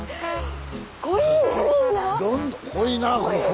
濃いなここ。